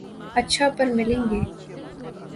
اچھا ، پرملیں گے